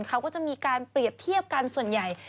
เขาก็จะมีการเปรียบเทียบกันส่วนใหญ่